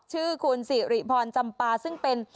ชื่อคุณสิริพรจำปาซึ่งเป็น